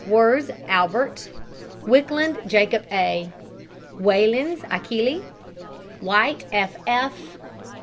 WIRZ, ALBERT WIKLUND, JACOB A. WAILENS, ACHILLE. WHITE, F. F.